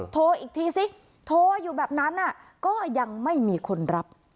โทรอีกทีซิโทรอยู่แบบนั้นก็ยังไม่มีคนรับ